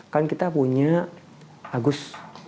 kan kita punya agus